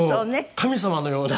神様のような。